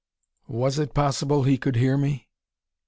Was it possible he could hear me?